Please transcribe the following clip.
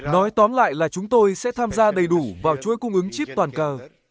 nói tóm lại là chúng tôi sẽ tham gia đầy đủ vào chuỗi cung ứng chip toàn cơ